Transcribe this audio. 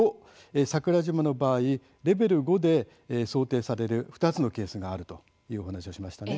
５桜島の場合レベル５で想定される２つのケースがあるという話をしました。